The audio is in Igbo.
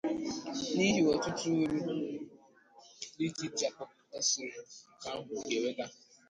n'ihi ọtụtụ uru dị iche iche ọ kpọpụtasịrị nke ahụ ga-eweta.